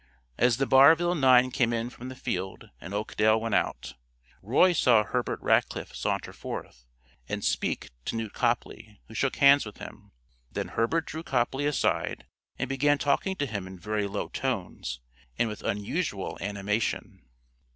As the Barville nine came in from the field and Oakdale went out, Roy saw Herbert Rackliff saunter forth and speak to Newt Copley, who shook hands with him. Then Herbert drew Copley aside and began talking to him in very low tones, and with unusual animation.